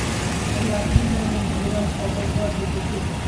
আমি রাগ করিতাম এমং ভাবিতাম অবজ্ঞার যোগ্য কে।